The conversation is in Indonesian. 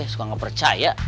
suka gak percaya